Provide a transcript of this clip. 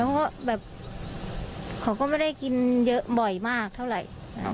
เขาก็ไม่ได้กินเยอะบ่อยมากเท่าไหร่